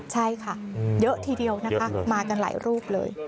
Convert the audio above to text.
ใช่ค่ะเยอะทีเดียวนะคะมากันหลายรูปเลย